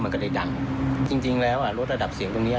มันก็จะดังจริงแล้วรถระดับเสียงตรงนี้